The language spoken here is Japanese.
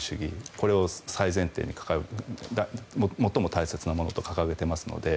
これを大前提に掲げると最も大切なものと掲げていますので。